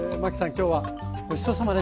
今日はごちそうさまでした。